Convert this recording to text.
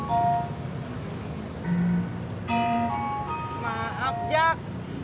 amat jangka mbak abjak